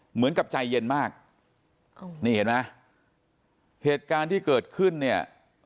เหมือนกับใจเย็นมากนี่เห็นไหมเหตุการณ์ที่เกิดขึ้นเนี่ย